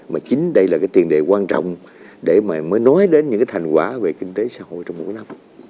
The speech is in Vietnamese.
mà chính đây là tiền đề quan trọng để mới nói đến những thành quả về kinh tế xã hội trong một năm